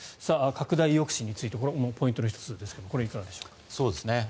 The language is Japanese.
拡大抑止についてポイントの１つですがこれはいかがでしょうか？